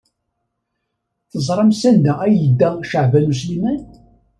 Teẓram sanda ay yedda Caɛban U Sliman?